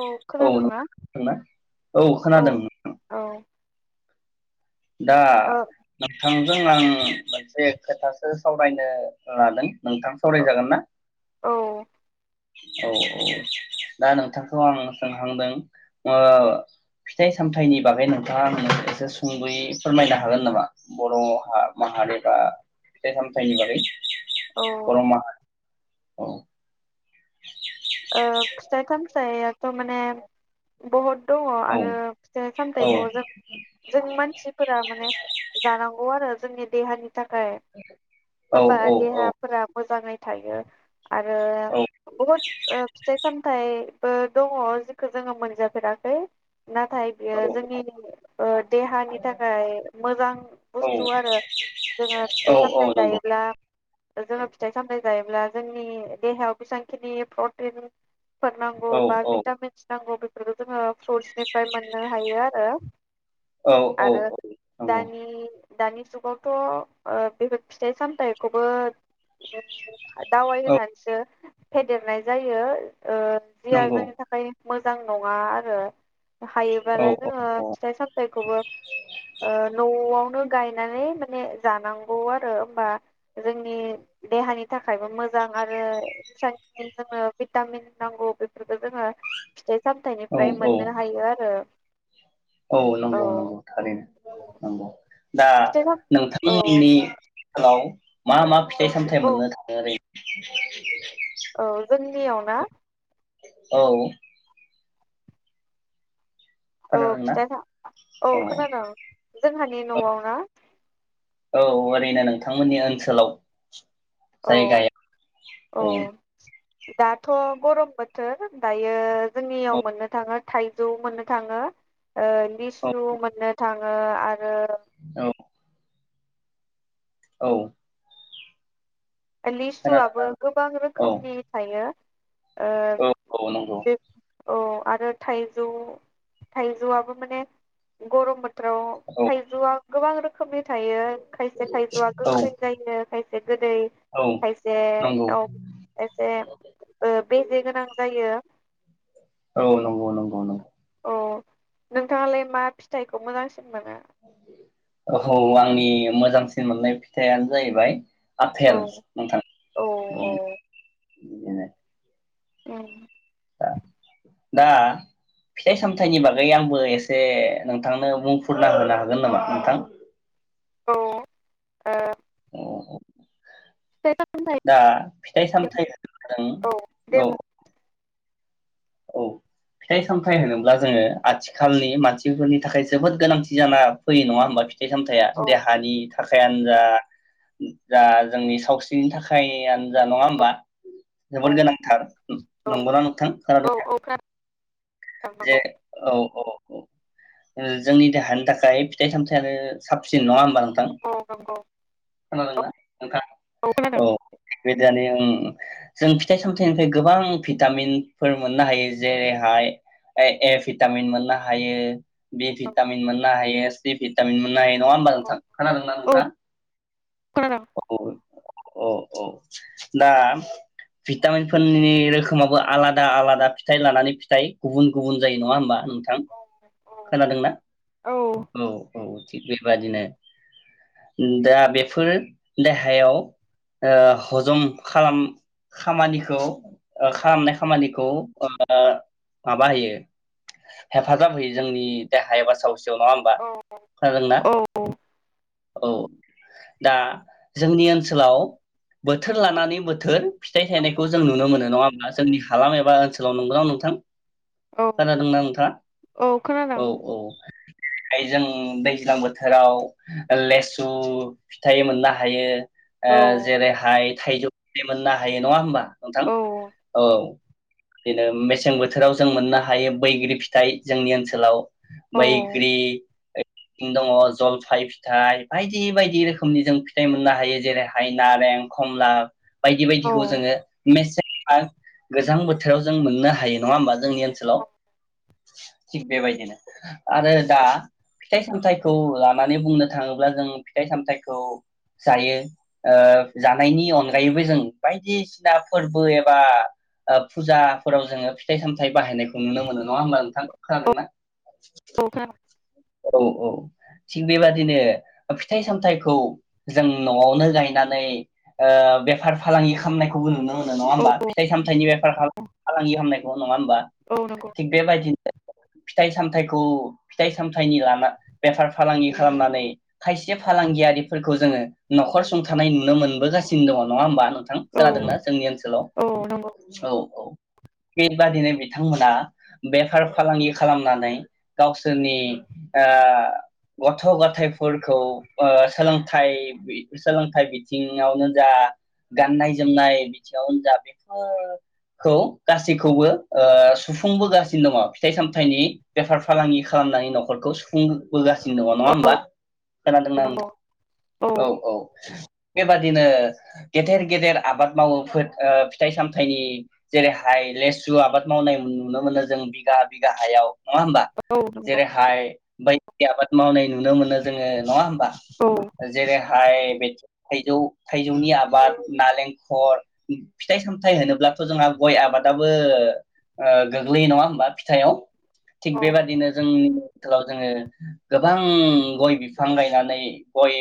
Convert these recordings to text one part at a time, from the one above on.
औ खोनादोंना नोंथां खोनादोंना औ औ दा औ नोंथां जों आं मोनसे खोथासो सावरायनो लादों नोंथां सावरायजागोन ना? औ औ औ दा नोंथांखौ आं सोंहांदों ओ फिथाइ सामथाइनि बागै नोंथाङा आंनो एसे सुं बै फोरमायनो हागोन नामा बर माहारि एबा फिथाइ सामथाइनि बागै? बर माहारि औ ओ फिथाइ सामथाइआ माने बहद दङ औ आरो फिथाइ औ सामथायाइखौ जों जों मानसिफोरा माने जानांगौ आरो जोंनि देहानि थाखाय औ होनबा देहाफोरा मोजाङै थायो आरो बहुद फिथाइ सामथाइबो दङ जेखो जोङो मोनजाफेराखै नाथाय बियो जोंनि ओ देहानि थाखाय मोजां बुस्थु आरो जोङो फिथाइ सामथाइ जायोब्ला जोङो फिथाइ सामथाइ जायोब्ला जोंनि देहायाव बेसेबांखिनि फ्रट टिन फोर नांगौ औ नंगौ औ बा भिटामिन सि नांगौ बे फोरबो जोंहा फ्रुटसनिफ्राय मोननो हायो आरो औ नंगौ आरो औ दानि दानि जुगावथ ओ बेफोर फिथाइ सामथाइखौबो दाउाय होनानसो फेदेरनाय जायो ओ जिया नंगौ जोंनि थाखाय मोजां नङा आरो औ हायोबालाय जोङो औ औ फिथाइ सामथाइखौबो ओ नआव नो गायनानै माने जानांगौ आरो होमबा जोंनि देहानि थाखायबो मोजां आरो [unintelligible] जोंनो भिटामिन नांगौ बेफोरखो जोङो फिथाइ औ सामथाइनिफ्राय औ मोननो हायो आरो। औ नंगौ औ नंगौ थारैनो नंगौ। दा फिथाइ साम औ नोंथांमोननि हेलाव मा मा फिथाइ औ सामथाइ औ मोननो थाङो ओरै [unintelligible] औ जोंनियाव ना? औ औ फिथाइ साम औ खोनादों। जोंहानि नआव ना? औ ओरैनो नोंथांमोननि ओनसोलाव अ जायगायाव अ औ दाथ गरम बोथोर दायो जोंनियाव मोननो थाङो थाइजौ मोननो थाङो ओ लिसु मोननो थां ओ आरो औ औ लिसुआबो गोबां औ रोखोमनि थायो ओ औ खोनादोंना बि औ आरो थाइजौ थाइजौआबो माने गरम बोथ थोराव औ थाइजौआ गोबां रो खोमनि थायो खायसे थायजौआ औ गोखै जायो खाय से गोदै औ नंगौ औ नंगौ खायसेयाव खायसे ओ बेजे गोनां जायो। औ नंगौ नंगौ नंगौ औ नोंथाङालाय मा फिथाइखौ मोजांसिन मोनो? औ आंनि मोजांसिन मोननाय फिथाइयानो जायैबाय आफेल औ नोंथां औ औ उम [unintelligible] उम दा फिथाइ सामथायाइनि बागै आंबो एसे नोंथांनो बुंफुरना होनो हागोन नामा नोंथां? औ ओ औ औ सामथाइ दा फिथाइ सामथाइ होदों औ दे औ बुं औ फिथाइ सामथाइ होनोब्ला जोङो आथिखालनि मानसिफोरनि थाखाय जोबोद गोनांथि जाना फैयो नङा होमबा? फिथाइ सामथाइया औ देहानि थाखायानो जा जा जोंनि सावस्रिनि थाखाय आनो जा नङा होमबा औ जोबोद गोनांथार नंगौना नोंथां? औ खोनादोंना औ खोनादों। जे नंगौ औ ओ जोंनि देहानि थाखाय फिथाइ सामथाइयानो साबसिन नङा होमबा नों थां औ नंगौ खोनादोंना नोंथां? औ बेदानो ओं जों फिथाइ सामथाइनिफ्राय गोबां भिटामिनफोर मोननो हायो जेरैहाय ए ए भिटामिन मोननो हायो। भि औ भिटामिन मोननो हायो। सि भिटामिन मोननो हायो। नङा होनबा औ नोंथां खोनादोंना औ नोंथां? खोनादों औ। औ औ दा भिटामिनफोरनि रोखोमाबो आलादा आलादा फिथाइ लानानै फिथाइ गुबुन गुबुन जायो नङा होमबा‌ नों थां? औ औ खोनादों औ औ खोनादोंना? औ औ औ थिग बेबादिनो दा बेफोर देहायाव ओ हजम खालाम खामानिखौ ओ खालामनाय खामानिखौ ओ आ माबा होयो हेफाजाब होयो जोंनि देहा एबा सावस्रि आव नङा होनबा खोनादोंना? औ, दा जोंनि ओनसोलाव बोथोर लानानै बोथोर फिथाइ थायनायखौ जों नुनो मोनो नङा होमा जोंनि हालाम एबा बा ओनसोलाव नंगौना नोंथां? खोनादोंना नोंथाङा? औ खोनादों औ औ यै जों दैज्लां बोथोराव ओ लेसु फिथाइ मोननो हायो। ओ औ जेरैहाय थाइजौ बे मोननो हायो नङा होमबा? नोंथां औ बिदिनो मेसें बो थोराव जों मोननो हायो बैग्रि फिथाइ जोंनि ओनसोलाव मैख्रि दङ जलफाय फिथाइ बायदि बायदि रोखोमनि जों फिथाइ मोननो हायो जेरैहाय नारें खमला बायदि बायदिखौ जोङो मेसें [unintelligible] गोजां बोथोराव जों मोननो हायो। नङा होनबा जोंनि ओनसोलाव थिक बेबायदिनो आरो दा फिथाइ सामथाइखौ लानानै बुंनो थाङोब्ला जों फिथाइ सामथाइखौ जायो ओ जानायनि अनगायैबो जों बायदिसिना फोरबो एबा ओ फुजाफोराव जोङो फिथाइ सामथाइ बाहायनायखौ नुनो मोनो नङा होमबा नोंथां खोनादोंना? औ खोनादों औ औ थिग बेबादिनो फिथाइ सामथाइखौ जों न'आवनो गायनानै ओ बेफार फालांगि खामनाय खौबो नुनो मोनो नङा होमबा? फिथाइ सामथाइनि बेफार फा-फालांगि खालामनाय नङा होमबा औ नंगौ औ थिग बेबायदिनो फिथाइ सामथाइखौ फिथाइ सामथाइनि लाना बेफार फालांगि खालामनानै खायसे फालांगियारिफोरखौ जोङो न'खर सुंथानाय नुनो मोनबोगासिनो दङ नङा होमबा नों थां खोनादोंना? जोंनि ओनसोलाव औ नंगौ औ औ बेबादिनो बिथांमोना बेफार फालांगि खालामनानै गावसोरनि ओ गथ' गथायाइफोरखौ ओ सोलोंथाइ बि सोलोंथाइ बिथिङावनो जा गाननाय जोमनाय बिथिङावनो जा बेफोरखौ गासैखौबो ओ सुफुंबोगासिनो दङ फिथाइ सामथाइनि बेफार फालांगि खालामनायनि न' खरखौ सुफुंबोगासिनो दङ नङा होमबा? खोनादोंना नों? औ औ बेबादिनो गेदेर गेदेर आबाद मावो फोद ओ फिथाइ सामथाइनि जेरैहाय लेसु आबाद मावनाय नुनो मोनो जों बिगा बिगा हायाव। नङा होमबा? औ नंगौ जेरै हाय बायदि आबाद मावनाय नुनो मोनो जोङो नङा होनबा? औ जेरैहाय हाय थाइजौ थाइजौनि आबाद, नालेंखर फिथाइ सामथायाइ होनोब्लाथ' जोंहा गय आबादाबो ओ गोग्लैयो नङा होमबा फिथाइआव। औ थिग बेबादिनो जों [unintelligible] जोङो गोबां गय बिफां गायनानै गय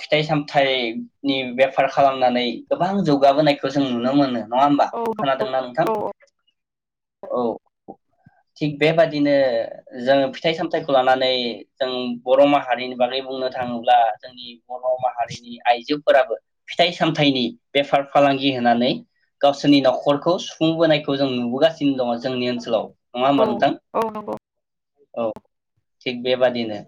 फिथाइ सामथाइनि बेफार खालामनानै गोबां जौगाबोनायखौ जों नुनो मोनो। नङा होमबा औ नंगौ खोनादोंना नोंथां? औ औ थिग बेबादिनो जोङो फि थाइ सामथाइखौ लानानै जों बर' माहारिनि बागै बुंनो थाङोब्ला जोंनि बर' माहारिनि आइजोफोराबो फिथाइ सामथाइनि बेफार फालांगि होनानै गावसोरनि न'खरखौ सुफुंबोनायखौ जों नुबोगासिनो दङ जोंनि ओनसोलाव। नङा औ होनबा नोंथां। औ नंगौ अ थिग बेबादिनो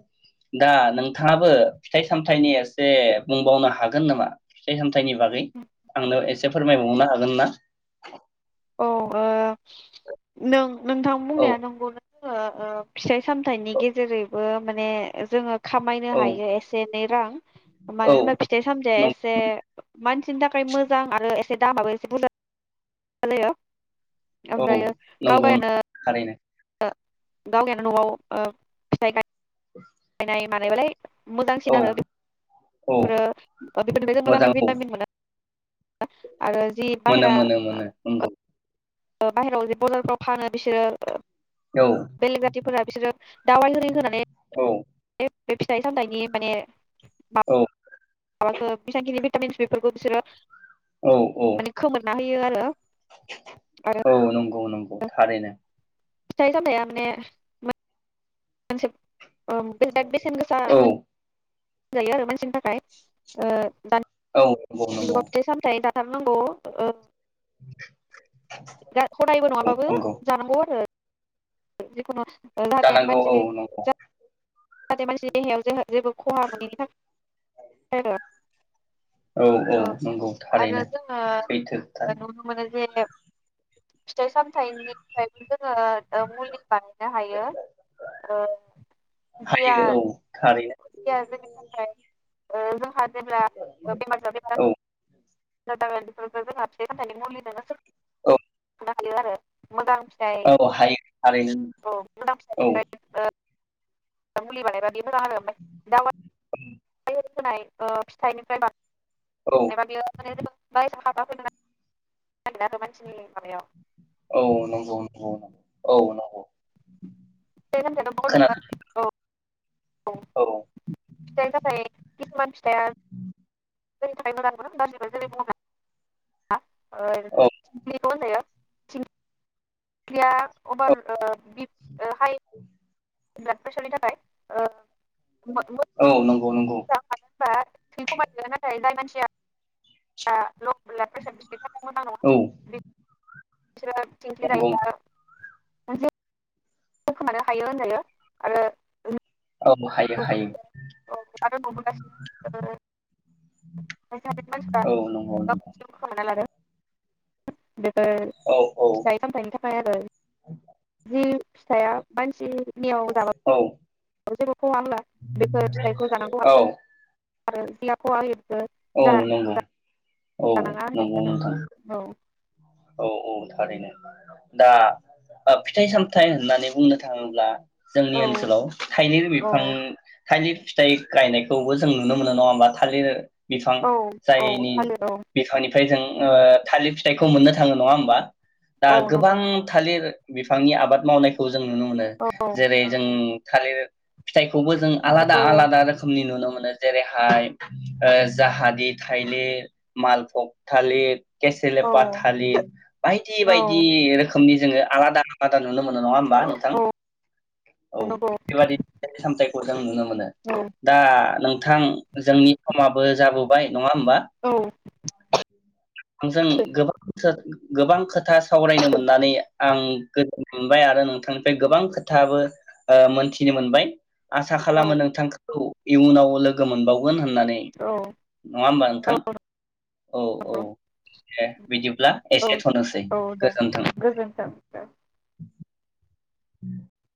दा नोंथाङाबो फिथाइ सामथायाइनि एसे बुंबावनो हागोन नामा फिथाइ सामथ। नि बागै आंनो एसे। फोरमायबावनो हागोन ना। औ ओ। नों। नोंथां औ बुंनाया नंगौनो। जोङो ओ फिथाइ सामथाइनि गेजेरैबो माने जोङो। खामायनो औ हायो एसे एनै। दां। मानो औ होनबा फिथाइ सामथायाइया नं एसे मानसिनि थाखाय मोजां आरो। से दामाबो एसे बुरजा। [unintelligible] औ ओमफ्रायो नंगौ गावगायनो। थारैनो गावनियानो ओ नआव फिथाइ [unintelligible] [unintelligible] नाय मानायबालाय। मोजांसिन औ आरो। औ मोजां औ [unintelligible] आरो जि मोनो बाहेरा। मोनो मोनो नंगौ बाहेरायाव जे बजारफ्राव फानो बिसोरो ओ औ बेलेग जाथिफोरा बिसोरो दावाय होनानै। औ बे फिथाइ सामथाइनि माने। औ। [unintelligible] बिसांखिनि भिटामिस बिफोरखौ बिसोरो। औ औ माने खोमोरना होयो होयो आरो आरो औ नंगौ नंगौ थारैनो फिथाय सामथाय आ माने मानसे बे बेसेन गोसा औ जायो आरो मानसिनि थाखाय ओ [unintelligible] औ नंगौ नंगौ [unintelligible] थाथारनांगौ ओ [inaudible] हदायबो औ नङाबाबो नंगौ जानांगौ आरो जिखुनु जाहाथे जानांगौ औ मानसिनि नंगौ। जाहाथे मानसिनि देहायाव जोंहा जेबो खहा मोनैनि थाखाय आरो औ औ ओ नंगौ आरो थारैनो जोङो सैथो खोथा नुनो मोनो जे फिथाइ सामथाइनिफ्रायबो जोङो मुलि बानायनो हायो ओ हायो औ थारैनो दैया जोंनि थाखाय [unintelligible] जेब्ला बेमार औ [unintelligible] [unintelligible] औ सोखांनो हायो आरो। मोजां फिथाइ औ हायो थारैनो औ मोजां औ। फिथाइनिफ्राय [unintelligible] [unintelligible] ओ [unintelligible] औ [unintelligible] [unintelligible] जागोन मानसिनि माबायाव [unintelligible] औ नंगौ नंगौ। औ नंगौ। [unintelligible] औ खोनादों फिथाइनि थाखाय खिसुमान फिथाइया जोंनि थाखाय मोजांबो गाज्रिबो जेरै बुङोब्ला ओ औ [unintelligible] खौबो होनजायो। थिं ख्लिया औ अबार ओ ओ हा बिराद बोसोरनि थाखाय ओ औ नंगौ नंगौ। बा थै खमायनो नाथाय जाय मानसिया ल' ब्लाड प्रेसार बिसोरनि थाखाय मोजां नङा औ नंगौ [inaudible] [unintelligible] खोमानो हायो होनजायो आरो ओ औ हायो ओउ हायो ओउ आरो नुबोगासिनो खायसे खायसे औ नंगौ नंगौ मानसिफ्रा ओ खोमाना लादों। बेफोर औ औ फिथाइ सामथायाइनि थाखाय आरो जि फिथाइया मानसिनियाव औ जाबाबो जेबो खहा होआ बेफोर फिथाइखौ जानांगौ आ औ आरो बिलाबखौ आ [unintelligible] औ नंगौ। औ जानाङा नंगौ होनजायो नोंथां आरो औ औ नों थारैनो दा ओ फिथाइ सामथाइ होननानै बुंनो थाङोब्ला जोंनि औ ओनसोलाव थाइगिर औ बिफां थालिर फिथाइ गायनायखौबो जों नुनो मोनो नङा होमबा थालिर बिफां औ औ जायनि थालिर औ बिफानि फाय जों ओ थालिर फिथाइखौ मोननो थाङो नङा होमबा दा औ नंगौ गोबां थालिर बिफांनि आबाद मावनायखौ जों जों नुनो मोनो औ जेरै जों थालिर फिथाइखौबो जों आलादा नंगौ आलादा रोखोमनि नुनो मोनो नो जेरैहाय ओ जाहादि थाइलिर मालफक थालिर केसेलो औ पाथालिर बायदि औ बायदि रोखो खोमनि जोङो आलादा आलादा नुनो मोनो नङा होनबा नोंथां औ नंगौ बेबादि फिथाइ-सामथाइ खौ जों नुनो मोनो दा नों थां जोंनि समाबो जाबो बाय नङा होमबा [unintelligible] जों गोबांथार गोबां खोथा सावरायनो मोननानै आं गोजोन मोनबाय आरो नोंथांनिफ्राय गोबां खोथाबो ओ मोनथिनो मोनबाय। आसा खालामो नोंथांखौ इयुनाव लोगो मोनबावगोन होनना नङा होमबा नोंथां औ औ दे बिदिब्ला एसेथनोसै औ दे गोजोन्थों। गोजोन्थों [inaudible]